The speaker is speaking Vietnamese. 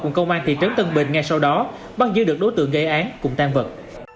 cùng công an thị trấn tân bình ngay sau đó bắt giữ được đối tượng gây án cùng tan vật